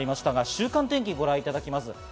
週間天気をご覧いただきます。